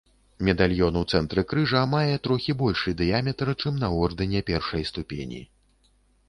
Медальён у цэнтры крыжа мае трохі большы дыяметр, чым на ордэне першай ступені.